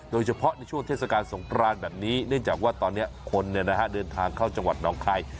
โดยเฉพาะในช่วงเทศกาลสงครานแบบนี้เนื่องจากว่าตอนนี้คนเดินทางเข้าจังหวัดน้องคาย